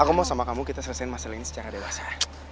aku mau sama kamu kita selesain masalah ini secara dewasa